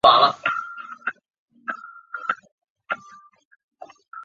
元朝至元十四年升池州为池州路。